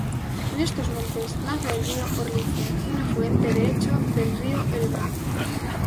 En estos montes nace el río Orlice, un afluente derecho del río Elba.